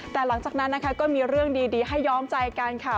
แต่หลังจากนั้นนะคะก็มีเรื่องดีให้ย้อมใจกันค่ะ